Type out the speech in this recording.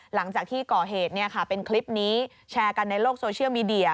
หลังจากที่ก่อเหตุเป็นคลิปนี้แชร์กันในโลกโซเชียลมีเดีย